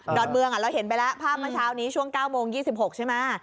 อนเมืองเราเห็นไปแล้วภาพเมื่อเช้านี้ช่วง๙โมง๒๖ใช่ไหม